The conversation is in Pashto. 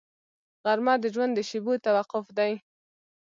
غرمه د ژوند د شېبو توقف دی